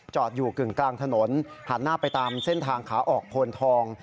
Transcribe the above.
อยู่กึ่งกลางถนนหันหน้าไปตามเส้นทางขาออกโพนทอง